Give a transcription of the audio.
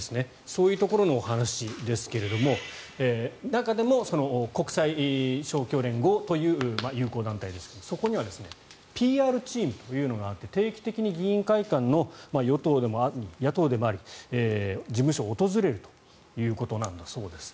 そういうところのお話ですが中でも国際勝共連合という友好団体ですが、そこにはＰＲチームというのがあって定期的に議員会館の与党でもあり野党でもあり事務所を訪れるということなんだそうです。